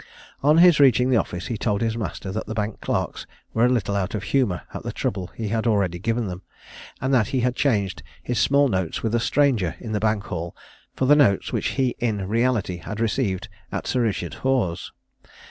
On his reaching the office, he told his master that the bank clerks were a little out of humour at the trouble he had already given them, and that he had changed his small notes with a stranger in the bank hall for the notes which he in reality had received at Sir Richard Hoare's.